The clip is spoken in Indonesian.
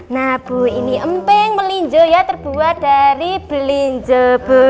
nah bu ini emping melinjo ya terbuat dari belinjo bu